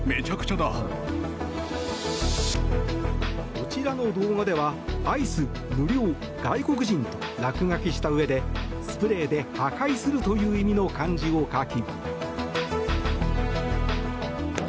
こちらの動画では「アイス」「無料」「外国人」と落書きしたうえでスプレーで「破壊する」という意味の漢字を書き。